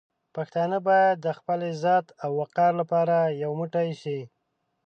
پښتانه باید د خپل عزت او وقار لپاره یو موټی شي.